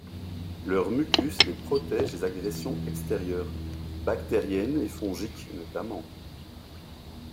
Leur mucus les protège des agressions extérieures, bactériennes et fongiques notamment.